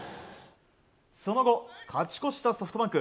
その後、勝ち越したソフトバンク。